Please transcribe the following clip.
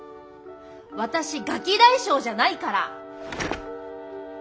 私ガキ大将じゃないから。